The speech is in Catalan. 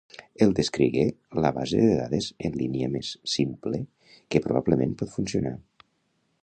El descrigué la base de dades en línia més simple que probablement pot funcionar